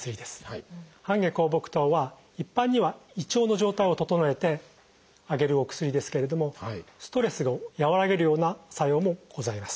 半夏厚朴湯は一般には胃腸の状態を整えてあげるお薬ですけれどもストレスを和らげるような作用もございます。